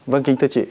vâng kính thưa chị